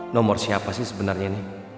nomor siapa sih sebenernya nih